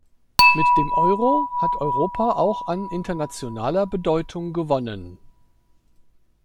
Mit dem Euro hat Europa auch an internationaler Bedeutung gewonnen.